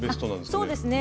そうですね。